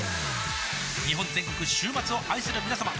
日本全国週末を愛するみなさま